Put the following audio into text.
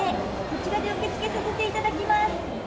こちらで受け付けさせていただきます。